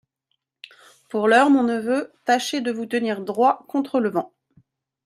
Pour l'heure, mon neveu, tâchez de vous tenir droit contre le vent.